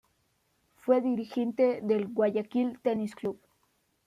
Fue dirigente del Guayaquil Tenis Club.